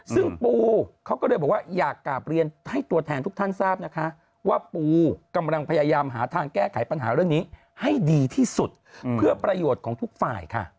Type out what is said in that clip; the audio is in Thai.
ซึ่งปูเขาก็เลยบอกว่าอยากกลับเรียนให้ตัวแทนทุกท่านทราบนะคะว่าปูกำลังพยายามหาทางแก้ไขปัญหาเรื่องนี้ให้ดีที่สุดเพื่อประโยชน์ของทุกฝ่ายค่ะ